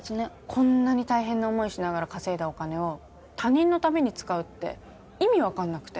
こんなに大変な思いしながら稼いだお金を他人のために使うって意味分かんなくて。